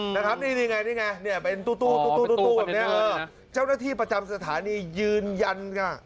นะครับนี่ไงนี่ไงเป็นตู้เจ้าหน้าที่ประจำสถานียืนยัน